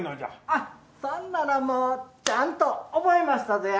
ああ、そんならもうちゃんと覚えましたぞや。